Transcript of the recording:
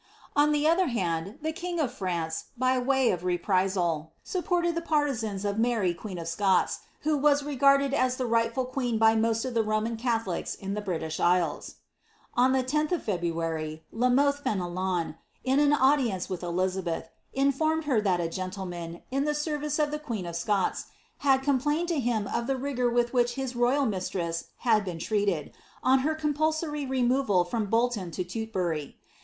On the other hand, the king of France, by way of reprisal, suppoRed ' Ihe paitizans of Mary queen of Scots, who was regarded as the rigbiful qneen by most of the Roman Catholics in the British islands. On the loth of February, La Mothe Feneton, in an audience wtih Elizabeth, informed her that a gentleman, in the service of the queen of Scots, had complained to him of the rigour with which his royal mtt' iress had been treated, on her compulsoiy removal from Bolton to Titl bury.